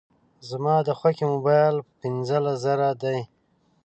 زما د خوښي موبایل په پینځلس زره دی